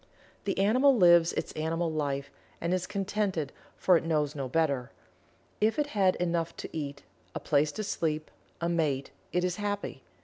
The animal lives its animal life and is contented, for it knows no better. If it has enough to eat a place to sleep a mate it is happy.